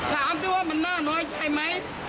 ถามสิว่ามันน่าน้อยใจไหม